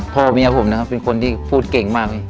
พ่อเมียผมนะครับเป็นคนที่พูดเก่งมากเลย